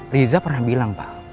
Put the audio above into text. riza pernah bilang pak